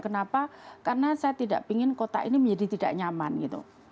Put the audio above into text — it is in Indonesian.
kenapa karena saya tidak ingin kota ini menjadi tidak nyaman gitu